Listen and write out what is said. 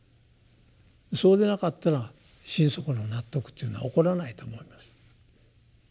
そうでなかったら心底の納得というのは起こらないと思います。